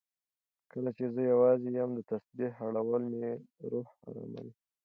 کله چې زه یوازې یم، د تسبېح اړول مې روح اراموي.